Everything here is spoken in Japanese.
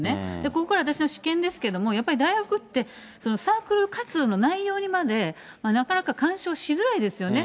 ここから私の私見ですけれども、やっぱり大学って、サークル活動の内容にまでなかなか干渉しづらいですよね。